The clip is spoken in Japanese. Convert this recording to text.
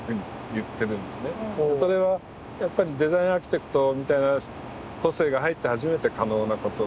それはやっぱりデザインアーキテクトみたいな個性が入って初めて可能なことで。